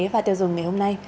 và tiêu dùng ngày hôm nay